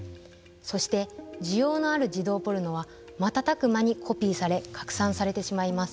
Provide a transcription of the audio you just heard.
そして、需要のある児童ポルノは瞬く間にコピーされ拡散されてしまいます。